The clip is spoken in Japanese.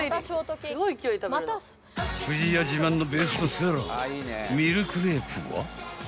［不二家自慢のベストセラーミルクレープは］